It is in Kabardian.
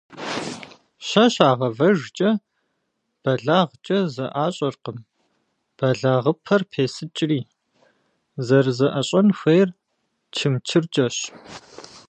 Щэ щагъэвэжкӀэ бэлагъкӀэ зэӀащӀэркъым, бэлагъыпэр песыкӀри - зэрызэӀыщӀэн хуейр чымчыркӀэщ.